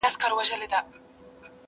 امیر نه سوای اورېدلای تش عرضونه!.